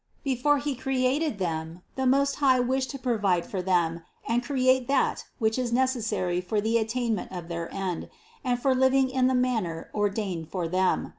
Before He created them the Most High wished to provide for them and create that which is necessary for the attainment of their end, and for living in the manner ordained for them.